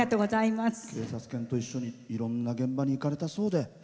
警察犬と一緒にいろんな現場に行かれたそうで。